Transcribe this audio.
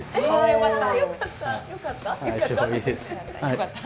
よかった。